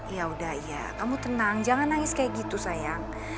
ya udah iya kamu tenang jangan nangis kayak gitu sayang